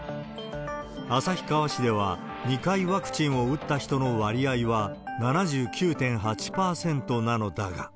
旭川市では、２回ワクチンを打った人の割合は７９．８％なのだが。